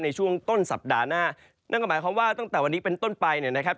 ในช่วงต้นสัปดาห์หน้านั่นก็หมายความว่าตั้งแต่วันนี้เป็นต้นไปเนี่ยนะครับ